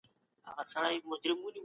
تل د لیکلو لپاره هدف او انګېزه ولرئ.